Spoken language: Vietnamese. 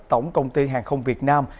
tổng công ty hàng không việt nam